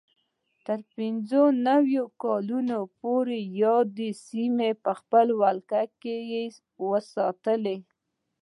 تر پینځه نوي کال پورې یادې سیمې په خپل ولکه کې وساتلې.